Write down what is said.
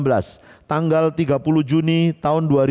pertanyaan pertama